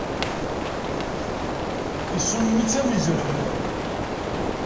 Isum-it, am uzrem.